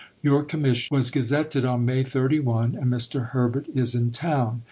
Your Commission was gazetted on May 31 and Mr. Herbert is in town.